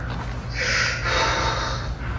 富宁薹草是莎草科薹草属的植物。